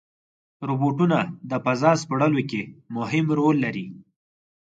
روبوټونه د فضا سپړلو کې مهم رول لري.